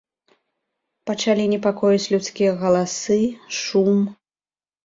Пачалі непакоіць людскія галасы, шум.